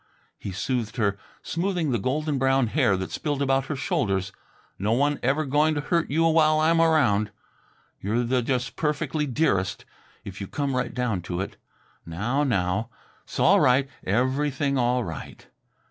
he soothed her, smoothing the golden brown hair that spilled about her shoulders. "No one ever going to hurt you while I'm around. You're the just perfectly dearest, if you come right down to it. Now, now! 'S all right. Everything all right!"